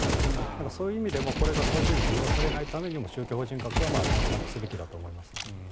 だから、そういう意味でもこれがそういうふうに利用されたないためにも宗教法人格はなくすべきだと思います。